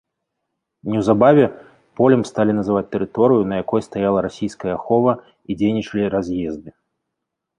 Неўзабаве полем сталі называць тэрыторыю, на якой стаяла расійская ахова і дзейнічалі раз'езды.